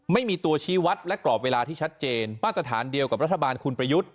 ไม่มีตัวชี้วัดและกรอบเวลาที่ชัดเจนมาตรฐานเดียวกับรัฐบาลคุณประยุทธ์